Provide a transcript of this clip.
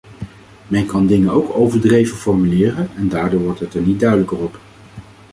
Men kan dingen ook overdreven formuleren en daardoor wordt het er niet duidelijker op.